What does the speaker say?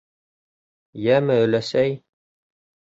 Йәме, өләсәй.